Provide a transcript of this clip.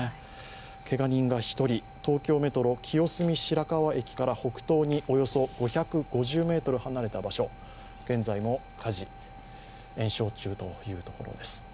けが人が１人、東京メトロ、清澄白河駅から北東におよそ５５０ｍ離れた場所、現在も火事が延焼中ということです。